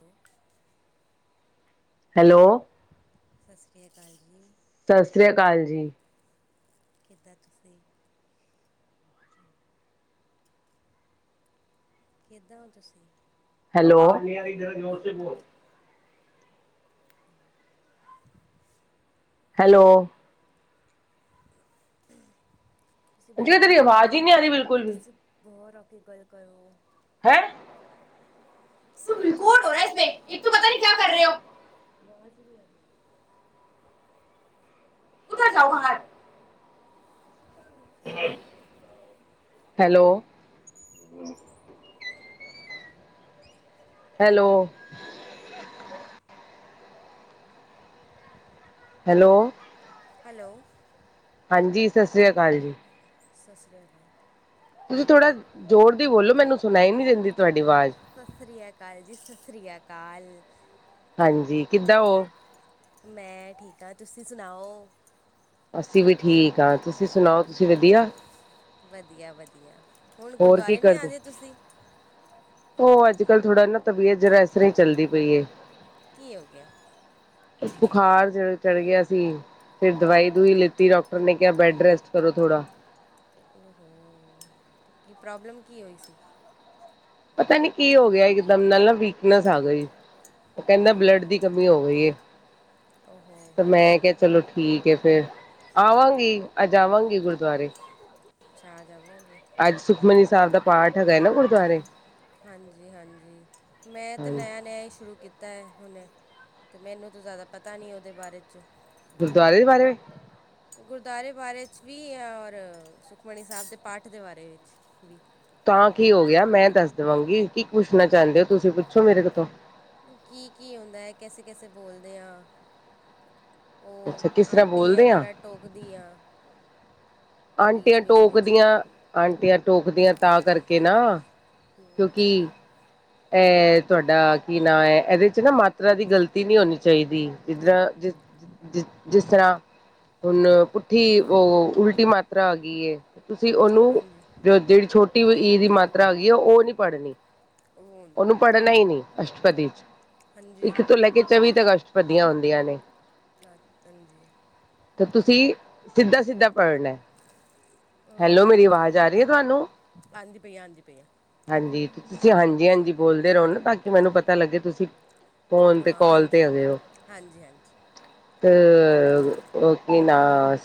ਹ। ਹੈਲੋ। ਸਤਿ ਸ਼੍ਰੀ ਅਕਾਲ ਜੀ। ਸਸ ਰੀਆ ਕਾਲ ਜੀ। ਕਿੱਦਾਂ ਤੁਸੀਂ ਕਿੱਦਾਂ ਓ ਤੁਸੀਂ? ਹੈਲੋ ਹੈਲੋ ਤੁਸੀਂ ਹਾਂਜੀ, ਉਹ ਬਾਹਰ ਆ ਤੇਰੀ ਕੇ ਗੱਲ ਆਵਾਜ਼ ਈ ਨੀ ਆਰੀ ਕਰੋ ਬਿਲਕੁਲ ਵੀ। ਤੁਸੀਂ ਬਾਹਰ ਆ ਕੇ ਗੱਲ ਕਰੋ। ਹੈਂ ਸਭ ਰਿਕਾਰਡ ਔ ਰਿਹਾ ਇਸ ਮੇਂ, ਇੱਕ ਤੋ ਪਤਾ ਨੀ ਕਿਆ ਕਰ ਰਏ ਓ। [inaudible] ਉਧਰ ਜਾਉ ਬਾਹਰ। ਹੈਲੋ ਹੈਲੋ ਹੈਲੋ ਹੈਲੋ ਹਾਂਜੀ, ਸਸ ਰੀਆ ਕਾਲ ਜੀ। ਸਸ ਰੀਆ ਕਾਲ। ਤੁਸੀਂ ਥੋੜ੍ਹਾ ਜ਼ੋਰ ਦੀ ਬੋਲੋ, ਮੈਨੂੰ ਸੁਣਾਈ ਨੀ ਦਿੰਦੀ ਤੁਹਾਡੀ ਆਵਾਜ਼। ਸਸ ਰੀਆ ਕਾਲ ਜੀ, ਸਸ ਰੀਆ ਕਾਲ। ਹਾਂਜੀ, ਕਿੱਦਾਂ ਓ? ਮੈਂ ਠੀਕ ਆਂ, ਤੁਸੀਂ ਸੁਣਾਓ ਅਸੀਂ ਵੀ ਠੀਕ ਆ, ਤੁਸੀਂ ਸੁਣਾਓ, ਤੁਸੀਂ ਵਧੀਆ। ਵਧੀਆ-ਵਧੀਆ। ਹੋਰ ਕੀ ਕਰਦੇ ਉਹ ਅੱਜ-ਕੱਲ੍ਹ ਥੋੜਾ ਨਾ ਤਬੀਅਤ ਜ਼ਰਾ ਏਸ ਤਰ੍ਹਾਂ ਈ ਚੱਲਦੀ ਪਈ ਏ। ਕੀ ਹੋ ਗਿਆ? ਬੁਖਾਰ ਜਿਹਾ ਚੜ੍ਹ ਗਿਆ ਸੀ। ਫੇਰ ਦਵਾਈ ਦਵੁਈ ਲਿੱਤੀ, ਡਾਕਟਰ ਨੇ ਕਿਹਾ ਬੈੱਡ ਰੈਸਟ ਕਰੋ ਥੋੜਾ। ਓ‌ਹੋ! ਕੀ ਪ੍ਰੋਬਲਮ ਕੀ ਹੋਈ ਸੀ? ਪਤਾ ਨੀ ਕੀ ਹੋ ਗਿਆ, ਇੱਕ ਦਮ ਨਾਲ ਨਾ ਵੀਕਨੈਸ ਆ ਗਈ। ਉਹ ਕਹਿੰਦਾ ਬਲੱਡ ਓਹੋ ਦੀ ਕਮੀ ਹੋ ਗਈ ਏ, ਓਹੋ ਤੇ ਹੋ ਮੈਂ ਕਹ ਚਲੋ ਠੀਕ ਏ ਫੇਰ, ਆਵਾਂਗੀ ਅੱਜ ਆਵਾਂਗੀ ਗੁਰਦੁਆਰੇ। ਅੱਛਾ ਆ ਜਾਵੋਗੇ। ਅੱਜ ਸੁਖਮਨੀ ਸਾਹਿਬ ਦਾ ਪਾਠ ਹੈਗਾ ਨਾ ਗੁਰਦਆਰੇ। ਹਾਂਜੀ ਹਾਂਜੀ, ਮੈਂ ਤਾਂ ਹਾਂਜੀ ਨਿਆ- ਨਿਆ ਹੀ ਸ਼ੁਰੂ ਕੀਤ ਪਤਾ ਐ ਹੁਣੇ, ਤੇ ਮੈਨੂੰ ਤਾਂ ਜ਼ਾਦਾ ਪਤਾ ਨਹੀਂ ਉਹਦੇ ਬਾਰੇ ਚ ਗੁਰਦੁਆਰੇ ਦੇ ਬਾਰੇ ਮੇਂ ਗੁਰਦੁਆਰੇ ਬਾਰੇ ਚ ਵੀ, ਔਰ ਸੁਖਮਨੀ ਸਾਹਿਬ ਦੇ ਪਾਠ ਦੇ ਬਾਰੇ ਵਿੱਚ ਵੀ। ਤਾਂ ਕੀ ਹੋ ਗਿਆ ਮੈਂ ਦੱਸ ਦਵਾਂਗੀ, ਕੀ ਪੁੱਛਣਾ ਚਾਹੁੰਦੇ ਹੋ ਤੁਸੀਂ ਪੁੱਛੋ ਮੇਰੇ ਕੋ ਤੋਂ। ਕੀ ਕੀ ਹੁੰਂਦਾ ਹੈ ਕੈਸੇ ਕੈਸੇ ਬੋਲਦੇ ਆ? ਅੱਛਾ ਕਿਸ ਉਹ ਤਰ੍ਹਾਂ ਆਂਟੀ ਏ ਬੋਲਦੇ ਆ ਬੜਾ ਟੋਕਦੀ ਏ। ਆਂਟੀਆਂ ਟੋਕਦੀਆਂ- ਆਂਟੀਆਂ ਟੋਕਦੀਆਂ ਤਾਂ ਕਰਕੇ ਨਾ ਕਿਉਂਕਿ ਐ ਤੁਹਾਡਾ ਕੀ ਨਾਂ ਐ, ਇਹਦੇ ਚ ਨਾ ਮਾਤਰਾ ਦੀ ਗ਼ਲਤੀ ਨੀ ਹੋਣੀ ਚਾਹੀਦੀ। ਜਿੱਧਰ ਜਿਸ ਜਿ ਜਿਸ ਤਰ੍ਹਾਂ ਹੁਣ ਪੁੱਠੀ ਉਹ ਉਲਟੀ ਮਾਤਰਾ ਆ ਗਈ ਏ। ਤੁਸੀਂ ਉਹਨੂੰ ਹਾਂਜੀ ਜ ਜਿਹੜੀ ਛੋਟੀ ਈ ਦੀ ਮਾਤਰਾ ਆਗੀ ਏ, ਉਹ ਨੀ ਪੜ੍ਹਨੀ। ਹੁਣ ਉਹਨੂੰ ਪੜ੍ਹਨਾ ਈ ਨੀ ਅਸ਼ਟਪਦੀ, ਹਾਂਜੀ ਇੱਕ ਤੋਂ ਹਾਂਜੀ ਲੈ ਕੇ ਚੌਵੀ ਤੱਕ ਅਸ਼ਟਪਦੀਆਂ ਹੁੰਦੀਆਂ ਨੇ। ਦਾਤਨ ਜੀ। ਤੇ ਤੁਸੀਂ ਸਿੱਧਾ-ਸਿੱਧਾ ਪੜ੍ਹਨੇ, ਹੈਲੋ ਮੇਰੀ ਅਹ, ਆਵਾਜ਼ ਆ ਰੀ ਐ ਤੁਹਾਨੂੰ? ਆਂਦੀ ਪਈ ਆਂਦੀ ਪਈ। ਹਾਂਜੀ ਤੁਸੀਂ ਹਾਂਜੀ ਹਾਂਜੀ ਬੋਲਦੇ ਰਹੋ ਨਾ ਤਾਂ ਕਿ ਮੈਨੂੰ ਪਤਾ ਲੱਗੇ ਤੁਸੀਂ- ਫੋਨ ਤੇ ਹਾਂ, ਕਾਲ ਤੇ ਹਾਂਜੀ ਹੈਗੇ ਏ ਹੋ। ਹਾਂਜੀ ਹਾਂਜੀ ਤੇ ਉਹ ਕੀ ਨਾ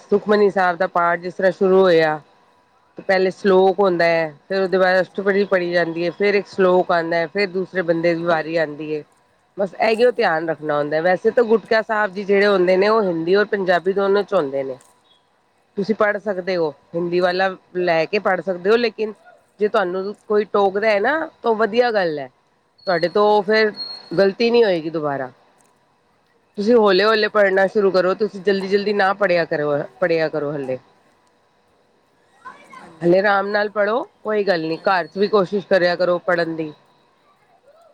ਸੁਖਮਨੀ ਸਾਹਿਬ ਦਾ ਪਾਠ ਜਿਸ ਤਰ੍ਹਾਂ ਸ਼ੁਰੂ ਹੋਇਆ- [unintelligible] ਪਹਿਲੇ ਹਮ, ਸ਼ਲੋਕ ਹੁੰਦਾ ਐ ਫਿਰ ਉਹਦੇ ਬਾਅਦ ਹਾਂਜੀ ਅਸ਼ਟਪਧੀ ਪੜੀ ਜਾਂਦੀ ਐ, ਫਿਰ ਇੱਕ ਸਲੋਕ ਆਂਦਾ- ਫੇਰ ਦੂਸਰੇ ਬੰਦੇ ਦੀ ਹਾਂਜੀ ਵਾਰੀ ਆਂਦੀ ਏ, ਬਸ ਐ ਕਿ ਉਹ ਹਾਂਜੀ ਧਿਆਨ ਰੱਖ- ਨਾਂ ਔਂਦਾ ਵੈਸੇ ਤਾਂ ਗੁਟਕਾ ਸਾਹਿਬ ਜੀ ਜਿਹੜੇ ਹੁੰਦੇ ਨੇ ਉਹ ਹਿੰਦੀ ਔਰ ਪੰਜਾਬੀ ਦੋਨੋ ਹੁੰਦੇ ਨੇ। [unintelligible] ਤੁਸੀਂ ਪੜ੍ਹ ਸਕਦੇ ਹੋ, ਹਿੰਦੀ ਵਾਲਾ ਲੈ ਕੇ ਪੜ੍ਹ ਸਕਦੇ ਹੋ ਲੇਕਿਨ ਜੇ ਤੁਹਾਨੂੰ- ਕੋਈ ਟੋਕਦਾ ਹੈ ਨਾ ਤਾਂ ਵਧੀਆ ਗੱਲ ਐ, ਤੁਹਾਡੇ ਤੋਂ ਹਾਂਜੀ ਫੇਰ ਗਲ- ਪੀਣੀ ਹੋਏਗੀ ਦੁਬਾਰਾ। ਤੁਸੀਂ ਹੌਲੇ ਹੌਲੇ ਪੜ੍ਹਨਾ ਸ਼ੁਰੂ ਕਰੋ ਤੁਸੀਂ ਜਲਦੀ ਜਲਦੀ ਨਾ ਪੜ੍ਹਿਆ ਕਰੋ ਪੜ੍ਹਿਆ ਕਰੋ ਹਲੇ। ਹਾਂਜੀ ਹਲੇ ਆਰਾਮ ਨਾਲ ਪੜ੍ਹੋ ਕੋਈ ਗੱਲ ਨੀ ਹਾਂਜੀ ਘਰ- ਵੀ ਕੋਸ਼ਿਸ਼ ਕਰਿਆ ਕਰੋ ਪੜ੍ਹਨ ਦੀ,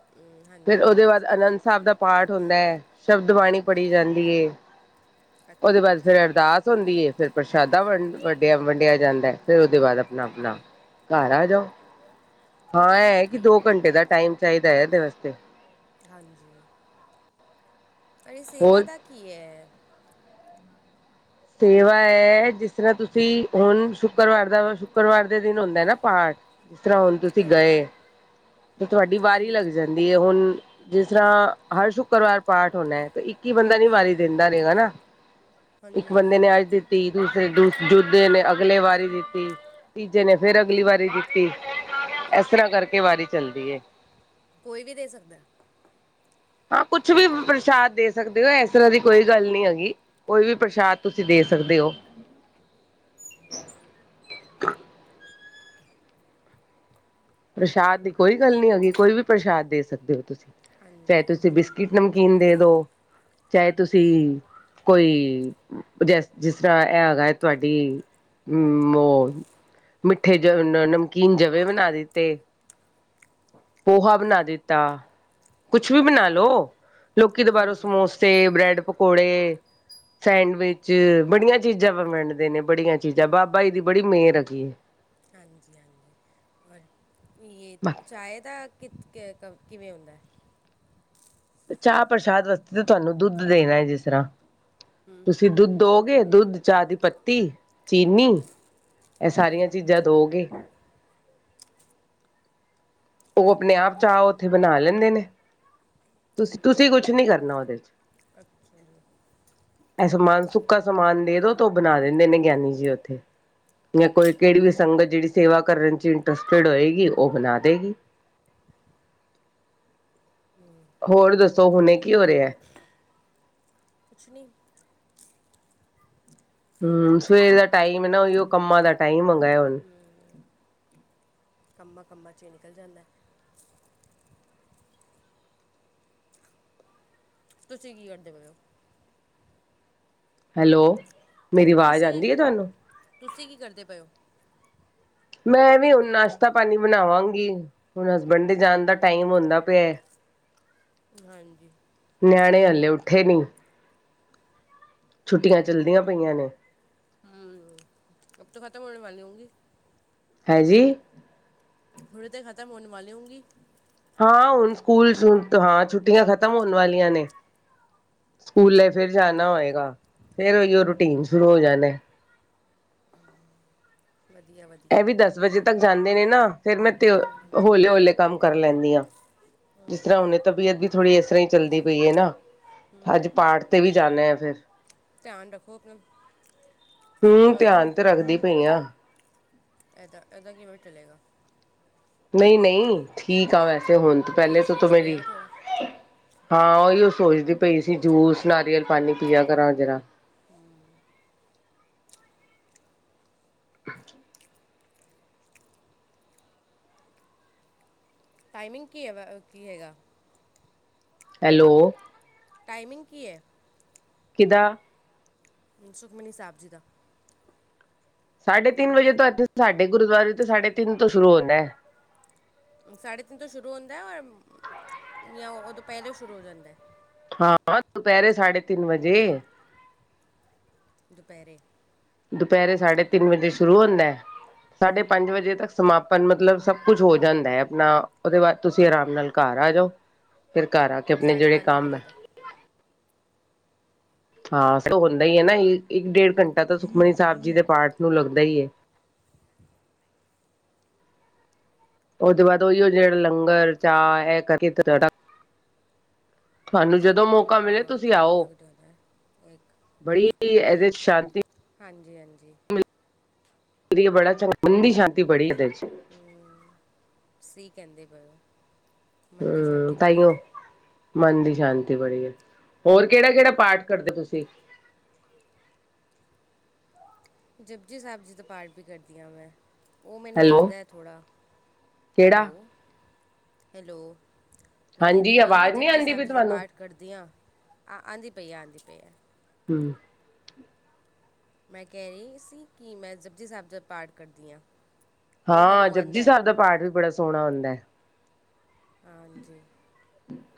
ਅਮ, ਫਿਰ ਹਾਂਜੀ ਉਹਦੇ ਬਾਅਦ ਹਾਂਜੀ ਆਨੰਦ ਸਾਹਿਬ ਦਾ- ਪਾਠ ਹੁੰਦਾ ਐ ਸ਼ਬਦ ਬਾਣੀ ਪੜ੍ਹੀ ਜਾਂਦੀ ਏ ਉਹਦੇ ਅੱਛ- ਬਾਅਦ ਹਾਂਜੀ ਫਿਰ ਅਰਦਾਸ- ਹੁੰਦੀ ਏ, ਫਿਰ ਪ੍ਰਸ਼ਾਦਾ ਵੰਡ ਵੰਡਿਆ ਵੰਡਿਆ ਜਾਂਦਾ ਐ। ਫ਼ਿਰ ਉਹਦੇ ਬਾਅਦ ਆਪਣਾ ਆਪਣਾ- ਘਰ ਆ ਜਾਓ। ਹਾਂ ਐ ਇਹ ਕਿ ਦੋ ਘੰਟੇ ਦਾ ਟਾਈਮ ਚਾਹੀਦਾ ਐ ਇਹਦੇ ਵਾਸਤੇ। ਹਾਂਜੀ। ਅ ਸੇਵਾ ਹੋਰ ਦਾ ਕੀ ਐ? ਸੇਵਾ ਹੈ ਜਿਸ ਤਰ੍ਹਾਂ ਤੁਸੀਂ ਹੁਣ ਸ਼ੁੱਕਰਵਾਰ ਦਾ ਸ਼ੁੱਕਰਵਾਰ ਦੇ ਦਿਨ ਹੁੰਦਾ ਨਾ ਪਾਠ- ਜਿਸ ਤਰ੍ਹਾਂ ਹੁਣ ਤੁਸੀਂ ਹਾਂ ਗਏ ਤੇ ਤੁਹਾਡੀ ਵਾਰੀ ਹਾਂਜੀ ਲੱਗ ਜਾਂਦੀ ਹੈ। ਹੁਣ- ਜਿਸ ਤਰ੍ਹਾਂ ਹਰ ਸ਼ੁੱਕਰਵਾਰ ਪਾਠ ਹੋਣਾ ਤੇ ਇੱਕ ਹੀ ਬੰਦਾ ਨੀ ਵਾਰੀ ਦਿੰਦਾ ਰਹੇਗਾ ਨਾ। ਇੱਕ ਹਾਂਜੀ ਬੰਦੇ ਹਾਂਜੀ ਨੇ ਅੱਜ ਦਿੱਤੀ ਦੂਸਰੇ ਦੂ ਦੂਜੇ ਨੇ ਅਗਲੇ ਵਾਰੀ ਦਿੱਤੀ। ਤੀਜੇ ਨੇ ਫਿਰ ਅਗਲੀ ਵਾਰੀ ਦਿੱਤੀ। ਇਸ ਤਰ੍ਹਾਂ ਕਰਕੇ ਵਾਰੀ ਚੱਲਦੀ ਏ। ਕੋਈ ਵੀ ਦੇ ਸਕਦਾ? ਹਾਂ ਕੁਛ ਵੀ ਪ੍ਰਸ਼ਾਦ ਦੇ ਸਕਦੇ ਹੋ ਇਸ ਤਰ੍ਹਾਂ ਦੀ ਕੋਈ ਗੱਲ ਨੀ ਹੈਗੀ। ਕੋਈ ਵੀ ਪ੍ਰਸ਼ਾਦ ਤੁਸੀਂ ਦੇ ਸਕਦੇ ਹੋ। ਪ੍ਰਸ਼ਾਦ ਦੀ ਕੋਈ ਗੱਲ ਨੀਂ ਹੈਗੀ ਕੋਈ ਵੀ ਪ੍ਰਸ਼ਾਦ ਦੇ ਸਕਦੇ ਹੋ ਤੁਸੀਂ। ਚਾਹੇ ਹਾਂਜੀ ਤੁਸੀਂ ਹਾਂਜੀ ਬਿਸਕਿਟ ਨਮਕੀਨ ਦੇ ਦੋ- ਚਾਹੇ ਤੁਸੀਂ ਕੋਈ- ਜ ਜਿਸ ਤਰ੍ਹਾਂ ਇਹ ਹੈਗਾ ਐ ਤੁਹਾਡੀ [unintelligible] ਹਮ ਮੌ- ਮਿੱਠੇ ਜਗ੍ਹਾ ਨਮਕੀਨ ਜਵੇ ਬਣਾ ਦੇ। ਤੇ ਪੋਹਾ ਬਣਾ ਦਿੱਤਾ। ਕੁਛ ਵੀ ਬਣਾ ਹਾਂਜੀ ਲੋੋ। ਲੋਕੀ ਤੇ ਬਾਹਰੋਂ ਹਾਂਜੀ ਹਾਂਜੀ ਸਮੋਸੇ ਬ੍ਰੈਡ ਪਕੋ- ਪਕੌੜੇ ਸੈਂਡਵਿਚ ਬੜੀਆਂ ਚੀਜ਼ਾਂ ਵੰਡਦੇ ਨੇ। ਬੜੀਆਂ ਚੀਜ਼ਾਂ ਬਾਬਾ ਜੀ ਦੀ ਬੜੀ ਮਿਹਰ ਹੈਗੀ ਏ। ਹਾਂਜੀ ਹਾਂਜੀ ਔਰ ਇਹ ਚਹੀਦਾ ਕਿ ਕ ਕਿਵੇਂ ਹੁੰਦਾ ਐ। ਚਾਹ ਪ੍ਰਸ਼ਾਦ ਵਾਸਤੇ ਤਾਂ ਤੁਹਾਨੂੰ ਦੁੱਧ ਦੇਣਾ ਹੈ ਜਿਸ ਤਰ੍ਹਾਂ ਹਮ ਹਮ, ਤੁਸੀਂ ਦੁੱਧ ਦੋਗੇ ਦੁੱਧ ਚਾਹ ਦੀ ਪੱਤੀ ਚੀਨੀ ਇਹ ਹਮ ਸਾਰੀਆਂ ਹਮ, ਚੀਜ਼ਾਂ ਦਓਗੇ ਉਹ ਹਾਂਜੀ ਆਪਣੇ ਆਪ ਚਾਹ ਉੱਥੇ ਬਣਾ ਲੈਂਦੇ ਨੇ ਤੁਸੀ ਹਮ, ਤੁਸੀਂ ਹਮ, ਕੁਛ ਨੀ ਕਰਨਾ ਉਹਦੇ ਚ ਅੱਛਾ [unintelligible] ਇਹ ਸਮਾਨ ਸੁੱਕਾ ਸਮਾਨ ਦੇ ਦੋ ਤੇ ਉਹ ਬਣਾ ਦਿੰਦੇ ਨੇ ਗਿਆਨੀ ਜੀ ਉੱਥੇ ਜਾਂ ਕੋਈ ਕਿਹੜੀ ਵੀ ਸੰਗਤ ਜਿਹੜੀ ਸੇਵਾ ਕਰਨ ਚ ਇੰਟਰਸਟਡ ਹੋਏਗੀ ਉਹ ਬਣਾ ਦੇਵੇਗੀ ਹੋਰ ਦੱਸੋ ਹੁਣੇ ਕੀ ਹੋ ਰਿਹਾ ਕੁਛ ਨਹੀਂ ਹੂੰ ਸਵੇਰ ਦਾ ਟਾਈਮ ਨਾ ਉਹੀ ਉਹ ਕੰਮਾਂ ਦਾ ਟਾਈਮ ਆਗਾ ਹੁਣ। ਕੰਮਾਂ ਕੰਮਾਂ 'ਚ ਨਿਕਲ ਜਾਂਦਾ। ਤੁਸੀਂ ਕੀ ਕਰਦੇ ਪਏ ਹੋ। ਹੈਲੋ ਮੇਰੀ ਆਵਾਜ਼ ਤੁਸੀਂ ਆਉਂਦੀ ਹੈ ਤੁਹਾਨੂੰ ਤੁਸੀਂ ਕੀ ਕਰਦੇ ਪਏ ਹੋ। ਮੈਂ ਵੀ ਹੁਣ ਨਾਸ਼ਤਾ ਪਾਣੀ ਬਣਾਵਾਂਗੀ ਹੁਣ ਹਸਬੈਂਡ ਦੇ ਜਾਣ ਦਾ ਟਾਈਮ ਹੁੰਦਾ ਪਿਆ ਏ। ਹਾਂਜੀ। ਨਿਆਣੇ ਹਲੇ ਉੱਠੇ ਨਹੀਂ। ਛੁੱਟੀਆਂ ਚੱਲਦੀਆਂ ਪਈਆਂ ਨੇ। ਅਭ ਤਾਂ ਖ਼ਤਮ ਹੋਣੇ ਵਾਲੀ ਹੋਂਗੀ। ਹੈਂਜੀ। ਹੁਣ ਤੇ ਖਤਮ ਹੋਣ ਵਾਲੀ ਹੋਂਗੀ। ਹਾਂ ਹੁਣ ਸਕੂਲ ਹਾਂ ਛੁੱਟੀਆਂ ਖਤਮ ਹੋਣ ਵਾਲੀਆਂ ਨੇ। ਸਕੂਲੇ ਫਿਰ ਜਾਣਾ ਹੋਏਗਾ ਫੇਰ ਉਹੀ ਉਹ ਰੂਟੀਨ ਸ਼ੁਰੂ ਹੋ ਜਾਣਾ ਏ। ਵਧੀਆ ਵਧੀਆ। ਇਹ ਵੀ ਦਸ ਵਜੇ ਤੱਕ ਜਾਂਦੇ ਨੇ ਨਾ ਫੇਰ ਮੈਂ ਤੇ ਹਾਂਜੀ ਹੌਲੇ ਹੌਲੇ ਕੰਮ ਕਰ ਲੈਂਦੀ ਹਾਂ। ਜਿਸ ਤਰ੍ਹਾਂ ਹੁਣੇ ਤਬੀਅਤ ਵੀ ਥੋੜ੍ਹੀ ਇਸ ਤਰ੍ਹਾਂ ਹੀ ਚੱਲਦੀ ਪਈ ਹੈ ਨਾ ਅੱਜ ਪਾਠ ਤੇ ਵੀ ਜਾਣਾ ਆ ਫਿਰ ਧਿਆਨ ਰੱਖੋ ਆਪਣਾ ਹੂੰ ਇਹਦਾ ਧਿਆਨ ਤੇ ਰੱਖਦੀ ਪਈ ਆ। ਐੱਦਾ ਐੱਦਾ ਕਿਵੇ ਚਲੇਗਾ। ਨਹੀਂ ਨਹੀਂ ਠੀਕ ਆ ਵੈਸੇ ਹੁਣ ਪਹਿਲੇ ਜੂਸ ਤੋਂ ਤੂੰ ਵੂਸ ਮੇਰੀ ਪਿਆ ਥੋੜਾ ਹਾਂ ਉਹੀ ਉਹ ਸੋਚਦੀ ਪਈ ਸੀ ਜੂਸ ਨਾਰੀਅਲ ਪਾਣੀ ਪਿਆ ਕਰਾਂ ਜਰਾ। [unintelligible] ਟਾਈਮਿੰਗ ਕੀ ਹੈ ਵਾ ਕੀ ਹੈਗਾ। ਹੈਲੋ। ਟਾਈਮਿੰਗ ਕੀ ਹੈ। ਕਿਦਾ। ਸੁਖਮਨੀ ਸਾਹਿਬ ਜੀ ਦਾ। ਸਾਢੇ ਤਿੰਨ ਵਜੇ ਤੋਂ ਇੱਥੇ ਸਾਡੇ ਗੁਰਦੁਆਰੇ ਤੇ ਸਾਢੇ ਤਿੰਨ ਤੋਂ ਸ਼ੁਰੂ ਹੁੰਦਾ ਹੈ। ਸਾਢੇ ਤਿੰਨ ਤੋਂ ਸ਼ੁਰੂ ਹੁੰਦਾ ਔਰ ਜਾਂ ਉਹ ਤੋਂ ਪਹਿਲਾਂ ਸ਼ੁਰੂ ਹੋ ਜਾਂਦਾ। ਹਾਂ ਦੁਪਹਿਰੇ ਸਾਢੇ ਤਿੰਨ ਵਜੇ। ਦੁਪਹਿਰੇ। ਦੁਪਹਿਰੇ ਸਾਢੇ ਤਿੰਨ ਵਜੇ ਸ਼ੁਰੂ ਹੁੰਦਾ ਏ। ਸਾਢੇ ਪੰਜ ਵਜੇ ਤੱਕ ਸਮਾਪਨ ਮਤਲਬ ਸਭ ਕੁਛ ਹੋ ਜਾਂਦਾ ਹੈ ਆਪਣਾ ਉਹਦੇ ਬਾਅਦ ਤੁਸੀਂ ਆਰਾਮ ਨਾਲ ਘਰ ਆ ਜਾਓ। ਫਿਰ ਘਰ ਆ ਕੇ ਆਪਣੇ ਜਿਹੜੇ ਕੰਮ ਹੈ ਵਜੇ ਦਾ ਹਾਂ ਹੁੰਦਾ ਹੀ ਹੈ ਨਾ ਇੱਕ ਡੇਢ ਘੰਟਾ ਤਾਂ ਸੁਖਮਨੀ ਸਾਹਿਬ ਜੀ ਦੇ ਪਾਠ ਨੂੰ ਲੱਗਦਾ ਹੀ ਹੈ। ਉਹਦੇ ਬਾਅਦ ਉਹੀਓ ਜਿਹੜਾ ਲੰਗਰ ਚਾਹ ਇਹ ਕਰਕੇ ਤੁਹਾਨੂੰ ਤਦ ਜਦੋਂ ਮੌਕਾ ਤੱਕ ਮਿਲੇ ਹਾਂ ਤੁਸੀਂ ਤਦ ਆਓ ਲਗ ਜਾਣਾ ਐ ਉਹ ਬੜੀ ਇੱਕ ਇਹਦੇ ਚ ਸ਼ਾਂਤੀ ਹਾਂਜੀ ਹਾਂਜੀ। ਬੜਾ ਚੰਗਾ ਮੰੰਦੀ ਸ਼ਾਂਤੀ ਬੜੀ ਹੈ। [unintelligible] ਸਈ ਕੈਂਦੇ ਪਏ ਓ। ਹਮ, ਤਾਂਹੀਓ ਮਨ ਦੀ ਸ਼ਾਂਤੀ ਬੜੀ ਹੈ ਹੋਰ ਕਿਹੜਾ ਕਿਹੜਾ ਪਾਠ ਕਰਦੇ ਤੁਸੀਂ। ਜਪਜੀ ਸਾਹਿਬ ਜੀ ਦਾ ਪਾਠ ਵੀ ਕਰਦੀ ਹਾਂ ਮੈਂ ਉਹ ਮੈਨੂੰ ਹੈਲੋ, ਆਦਾ ਹੈ ਥੋੜ੍ਹਾ। ਕਿਹੜਾ? ਹੈਲੋ ਹੈਲੋ ਮੈਂ ਕਹਿੰਦੀ ਹਾਂਜੀ, ਪਈ ਹਾਂ ਮੈਂ ਆਵਾਜ਼ ਨੀ ਜਪਜੀ ਆਂਦੀ ਸਾਹਿਬ ਪਈ ਜੀ ਦਾ ਤੁਹਾਨੂੰ? ਪਾਠ ਕਰਦੀ ਆ ਆਦੀ ਪਈ ਆ ਆਂਦੀ ਪਈ ਆ। ਹੂੰ ਮੈਂ ਕਹਿ ਰਹੀ ਸੀ ਕਿ ਮੈਂ ਜਪਜੀ ਸਾਹਿਬ ਦਾ ਪਾਠ ਕਰਦੀ ਹਾਂ। ਉਹ ਹਾਂ ਮੈਨੂੰ ਆਉਂਦਾ ਜਪਜੀ ਹੈ ਸਾਹਿਬ ਦਾ ਪਾਠ ਵੀ ਬੜਾ ਸੋਹਣਾ ਹੁੰਦਾ ਐ। ਹਾਂਜੀ।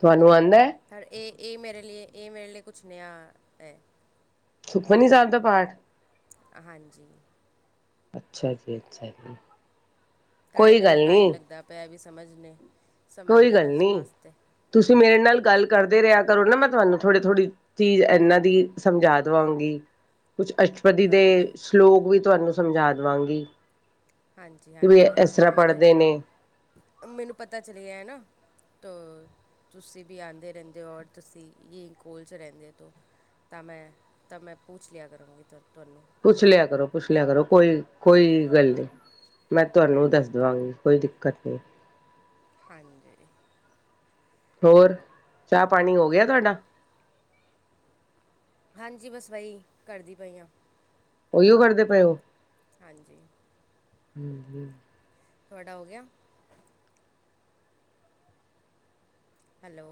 ਤੁਹਾਨੂੰ ਆਂਦਾ ਐ, ਪਰ ਇਹ ਇਹ ਮੇਰੇ ਲਈ ਇਹ ਮੇਰੇ ਲਈ ਕੁਛ ਨਿਆ ਹੈ। ਸੁੁਖਮਨੀਂ ਸਾਹਿਬ ਦਾ ਪਾਠ? ਹਾਂਜੀ। ਅੱਛਾ ਜੀ, ਅੱਛਾ ਜੀ। ਤਾਂ ਈ ਕੋਈ ਗੱਲ ਮੈਨੂੰ ਟਾਈਮ ਨੀ, ਲੱਗਦਾ ਪਿਆ ਵੀ ਸਮਝਨੇ, ਕੋਈ ਸਮਝਨੇ ਗੱਲ ਵਸ ਨੀ। ਵਾਸਤੇ। ਤੁਸੀਂ ਮੇਰੇ ਨਾਲ ਗੱਲ ਕਰਦੇ ਰਿਆ ਕਰੋ ਨਾ, ਮੈਂ ਤੁਹਾਨੂੰ ਥੋੜੀ ਥੋੜ੍ਹੀ ਚੀਜ਼ ਇਹਨਾਂ ਦੀ ਸਮਝਾ ਦੇਵਾਂਗੀ, ਕੁਛ ਅੱਛ ਪਦੀ ਦੇ, ਹਾਂਜੀ ਸਲੋਕ ਵੀ ਤੁਹਾਨੂੰ ਸਮਝਾ ਦਵਾਂਗੀ। ਹਾਂਜੀ ਵੀ ਹਾਂਜੀ ਇਸ ਹਾਂਜੀ ਆਹ ਤਰ੍ਹਾਂ ਮੈਨੂੰ ਪੜ੍ਹਦੇ ਨੇ ਮੈਨੂੰ ਪਤਾ ਚੱਲਿਆ ਐ ਨਾ ਤ, ਤੁਸੀ ਵੀ ਆਂਦੇ ਰਹਿੰਦੇ ਓ ਔਰ ਤੁਸੀ, ਇਹੀ ਕੋਲ 'ਚ ਰਹਿੰਦੇ ਤੋਂ ਤਾਂ ਮੈਂ, ਤਾਂ ਮੈਂ ਪੁੂਛ ਲਿਆ ਕਰੂੰਗੀ ਤੁ ਤੁਹਾਨੂੰ। ਪੁੱਛ ਲਿਆ ਕਰੋ, ਪੁੱਛ ਲਿਆ ਕਰੋ, ਕੋਈ ਕੋਈ ਗੱਲ ਨੀ। ਮੈਂ ਤੁਹਾਨੂੰ ਦੱਸ ਦੇਵਾਂਗੀ, ਕੋਈ ਦਿੱਕਤ ਨਹੀਂ। ਹਾਂਜੀ। ਹੋਰ, ਚਾਹ ਪਾਨੀ ਹੋ ਗਿਆ ਤੁਹਾਡਾ? ਹਾਂਜੀ ਬਸ ਵਈ, ਕਰਦੀ ਪਈ ਆਂ। ਉਓਹੀਓ ਕਰਦੇ ਪਏ ਓ? ਹਾਂਜੀ ਤੁਹਾਡਾ ਹੋ ਗਿਆ? ਹੈਲੋ।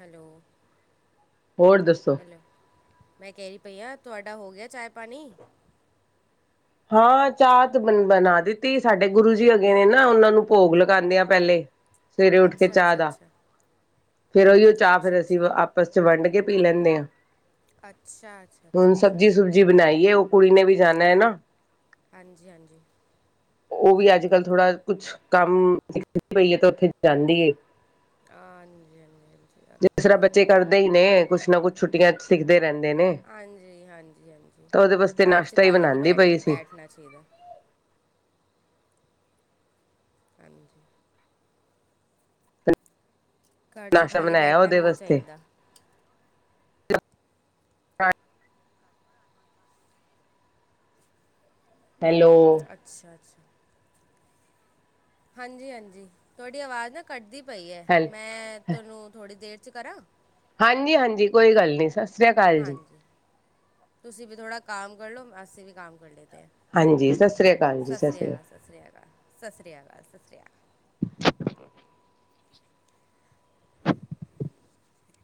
ਹੈਲੋ। ਹੋਰ ਦੱਸੋ? ਹੈਲੋ ਮੈਂ ਕੇਰੀ ਪਈ ਆਂ, ਤੁਹਾਡਾ ਹੋ ਗਿਆ ਚਾਏ ਪਾਨੀ? ਹਾਂ ਚਾਹ ਤੇ ਬ ਬਨਾ ਦਿੱਤੀ, ਸਾਡੇ ਗੁਰੂ ਜੀ ਹਗੇ ਨੇ ਨਾ, ਉਹਨਾਂ ਨੂੰ ਭੋਗ ਲਗਾਂਦੇਆਂ ਪਹਿਲੇ ਸਵੇਰੇ ਉੱਠ ਕੇ ਅੱਛਾ ਚਾਹ ਅੱਛਾ ਦਾ ਅੱਛਾ ਫੇਰ ਉਹੀ ਉਹ ਅੱਛਾ ਚਾਹ ਅੱਛਾ ਫਿਰ, ਅਸੀਂ ਆਪਸ ਚ ਵੰਡ ਕੇ ਪੀ ਲੈਂਨੇ ਆਂ। ਅੱਛਾ, ਅੱਛਾ। ਹੁਨ ਅੱਛਾ ਅੱਛਾ ਸਬਜ਼ੀ ਸੁਬਜੀ ਬਨਾਈਏ ਓ ਕੁੜੀ ਨੇ ਵੀ ਜਾਨਾ ਏ ਨਾ। ਹਾਂਜੀ, ਹਾਂਜੀ। ਉਹ ਵੀ ਅੱਜ ਕੱਲ ਥੋੜਾ ਕੁਛ ਕੰਮ, ਨਿਕ ਪਈ ਹੈ ਤੇ ਉੱਥੇ ਜਾਂਦੀਏ। ਹ, ਹਾਂਜੀ, ਹਾਂਜੀ, ਹਾਂਜੀ। ਜਿਸ ਤਰ੍ਹਾਂ ਓਕੇ ਬੱਚੇ ਕਰਦੇ ਹੀ ਨੇ, ਕੁੱਛ ਨਾ ਕੁੱਛ ਛੁੱਟੀਆਂ 'ਚ'। ਸਿੱਖਦੇ ਰਹਿੰਦੇ ਨੇ, ਹਾਂਜੀ ਹਾਂਜੀ ਹਾਂਜੀ ਤਾਂ ਉਹਦੇ ਵਾਸਤੇ ਘਰ 'ਚ ਨਾਸ਼ਤਾ ਈ ਕਾਲੇ ਨਹੀਂ ਬਨਾੰਦੀ ਬੈਠ ਪਈ ਸੀ। ਬੈਠਣਾ ਚਾਹੀਦਾ ਹਾਂਜੀ। ਘਰ 'ਚ' ਨਾਸ਼ਤਾ ਖਾਲੀ ਬਣਾਇਆ ਬੈਠਨਾ ਉਹਦੇ ਵੀ ਨਹੀਂ ਵਾਸਤੇ ਚਾਈਂਦਾ। ਹਾਂ ਹੈਲੋ? ਅੱਛਾ, ਅੱਛਾ। ਹਾਂਜੀ ਹਾਂਜੀ, ਤੋਡੀ ਆਵਾਜ਼ ਨਾ ਕੱਟਦੀ ਪਈ ਐ ਹੈਲ ਮੈਂ, ਤੋਂਨੂੰ ਥੋੜ੍ਹੀ ਦੇਰ 'ਚ' ਕਰਾਂ? ਹਾਂਜੀ ਹਾਂਜੀ ਕੋਈ ਗੱਲ ਨੀ, ਸਰ ਹਾਂਜੀ। ਤੁਸੀਂ ਵੀ ਥੋੜ੍ਹਾ ਕੰਮ ਕਰ ਲਓ, ਅਸੀਂ ਵੀ ਕੰਮ ਕਰ ਲਦੇ ਐ। ਹਾਂਜੀ ਸਤਿ ਸ੍ਰੀ ਅਕਾਲ ਜੀ ਸਤਿ ਸ਼੍ਰੀ ਸ੍ਰੀ ਅਕਾਲ, ਸਤਿ ਸ਼੍ਰੀ ਅਕਾਲ, ਸਤਿ ਸ਼੍ਰੀ ਅਕਾਲ, ਸਤਿ ਸ਼੍ਰੀ ਅਕਾਲ। [inaudible]